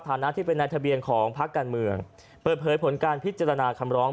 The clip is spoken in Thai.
นะที่เป็นในทะเบียนของพักการเมืองเปิดเผยผลการพิจารณาคำร้อง